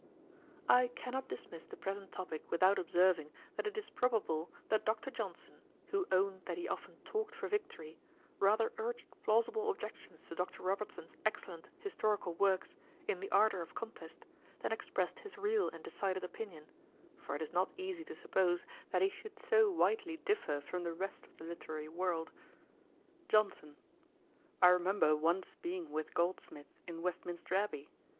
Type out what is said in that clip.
I cannot dismiss the present topick without observing, that it is probable that Dr. Johnson, who owned that he often 'talked for victory,' rather urged plausible objections to Dr. Robertson's excellent historical works, in the ardour of contest, than expressed his real and decided opinion; for it is not easy to suppose, that he should so widely differ from the rest of the literary world. JOHNSON. 'I remember once being with Goldsmith in Westminster abbey.